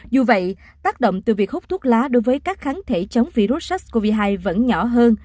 dù vậy tác động từ việc hút thuốc lá đối với các kháng thể chống virus sars cov hai vẫn nhỏ hơn